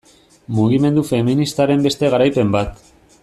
Mugimendu feministaren beste garaipen bat.